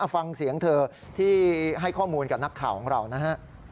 ฟังเสียงเธอที่ให้ข้อมูลกับนักข่าวของเรานะฮะ